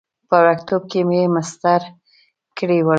په وړکتوب کې مې مسطر کړي ول.